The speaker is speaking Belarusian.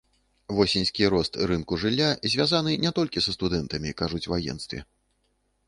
Восеньскі рост рынку жылля звязаны не толькі са студэнтамі, кажуць у агенцтве.